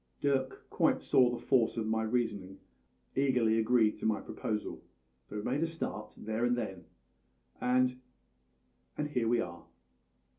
"Dirk quite saw the force of my reasoning and eagerly agreed to my proposal; so we made a start there and then, and and here we are."